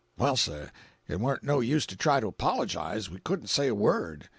"Well sir, it warn't no use to try to apologize—we couldn't say a word.